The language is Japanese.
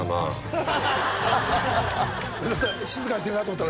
濛瑤気静かにしてるなと思ったら”